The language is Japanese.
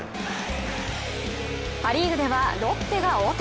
パ・リーグではロッテが王手。